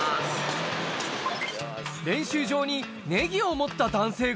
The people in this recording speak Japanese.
練習場にネギを持った男性が。